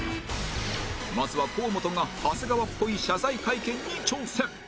まずは河本が長谷川っぽい謝罪会見に挑戦